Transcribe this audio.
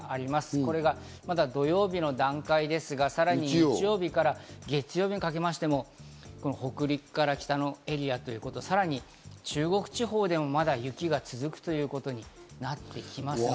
これがまだ土曜日の段階ですが、日曜日、月曜日にかけても北陸から北のエリア、さらに中国地方でもまだ雪が続くということになってきます。